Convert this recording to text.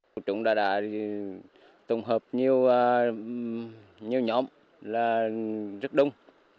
chúng ta đã tổng hợp nhiều nhóm rất đông